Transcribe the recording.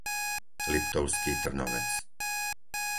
Liptovský Trnovec